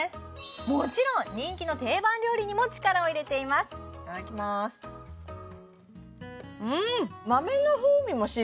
もちろん人気の定番料理にも力を入れていますいただきますうん！